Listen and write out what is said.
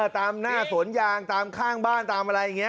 ตามหน้าสวนยางตามข้างบ้านตามอะไรอย่างนี้